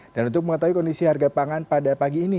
dan untuk mengetahui kondisi harga pangan pada pagi ini